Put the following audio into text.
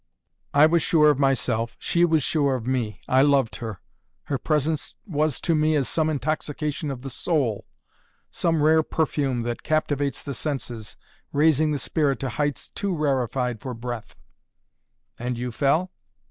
"I was sure of myself. She was sure of me. I loved her. Her presence was to me as some intoxication of the soul some rare perfume that captivates the senses, raising the spirit to heights too rarefied for breath " "And you fell?"